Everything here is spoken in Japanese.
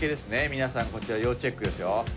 皆さんこちら要チェックですよ。